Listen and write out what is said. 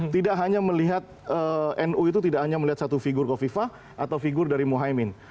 tidak hanya melihat nu itu tidak hanya melihat satu figur kofifa atau figur dari muhaymin